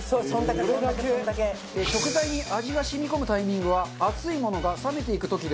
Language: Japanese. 食材に味が染み込むタイミングは熱いものが冷めていく時です。